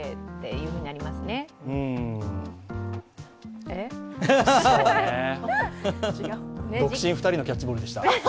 うーん、そうね、独身２人のキャッチボールでした。